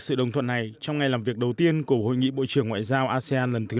sự đồng thuận này trong ngày làm việc đầu tiên của hội nghị bộ trưởng ngoại giao asean lần thứ ba